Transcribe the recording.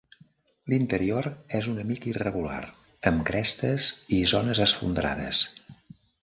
L'interior és una mica irregular, amb crestes i zones esfondrades.